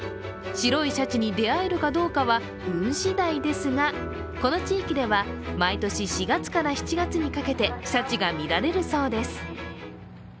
白いシャチに出会えるかどうかは運しだいですがこの地域では毎年、４月から７月にかけてシャチが見られるそうです。